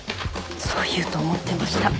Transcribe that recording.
そう言うと思ってました。